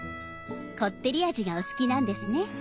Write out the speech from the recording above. こってり味がお好きなんですね！